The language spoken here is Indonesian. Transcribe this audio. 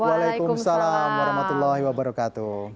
waalaikumsalam warahmatullahi wabarakatuh